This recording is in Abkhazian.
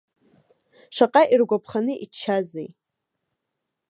Шаҟа иргәаԥханы иччазеи!